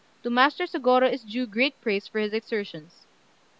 To Master Sôgorô is due great praise for his exertions."